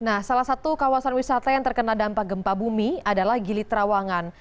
nah salah satu kawasan wisata yang terkena dampak gempa bumi adalah gili trawangan